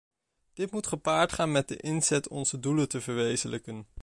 Dit moet gepaard gaan met de inzet onze doelen te verwezenlijken.